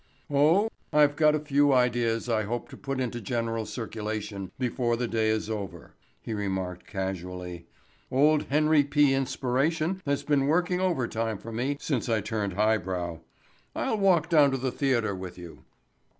"Oh, I've got a few ideas I hope to put into general circulation before the day is over," he remarked casually. "Old Henry P. Inspiration has been working overtime for me since I turned highbrow. I'll walk down to the theatre with you."